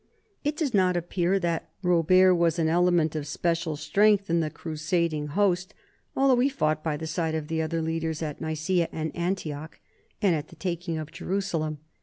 It does not appear that Robert was an element of special strength in the crusading host, although he fought by the side of the other leaders at Nicaea and Antioch and at the taking of Jerusalem.